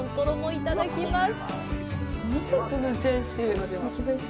いただきます。